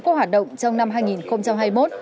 các hoạt động trong năm hai nghìn hai mươi một